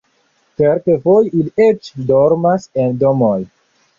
Kelkfoje ili eĉ dormas en domoj.